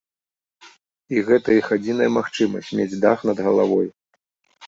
І гэта іх адзіная магчымасць мець дах над галавой.